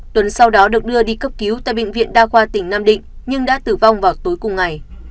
tuấn sau đó được đưa đi cấp cứu tại bệnh viện đa khoa tỉnh nam định nhưng đã tử vong vào tối cùng ngày